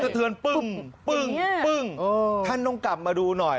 เทือนปึ้งปึ้งปึ้งท่านต้องกลับมาดูหน่อย